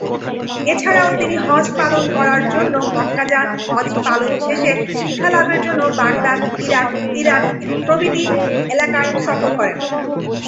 এছাড়াও তিনি হজ্জ পালন করার জন্য মক্কা যান, হজ্ব পালন শেষে শিক্ষালাভের জন্য বাগদাদ, ইরাক, ইরান প্রভৃতি এলাকা সফর করেন।